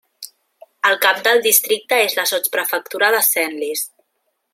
El cap del districte és la sotsprefectura de Senlis.